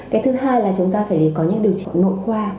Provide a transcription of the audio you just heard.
cái thứ hai là chúng ta phải có những điều trị nội khoa